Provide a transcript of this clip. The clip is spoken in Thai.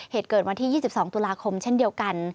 เหตุเกิดวันที่๒๒ตุลาคมเช่นเดียวกัน